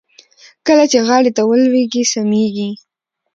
کله چې غاړې ته ولوېږي سميږي.